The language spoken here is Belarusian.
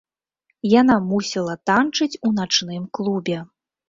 Яна мусіла танчыць у начным клубе.